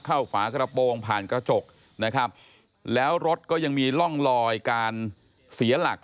ฝากระโปรงผ่านกระจกนะครับแล้วรถก็ยังมีร่องลอยการเสียหลัก